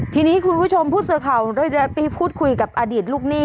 ทีนี้คุณผู้ชมผู้สื่อข่าวได้ไปพูดคุยกับอดีตลูกหนี้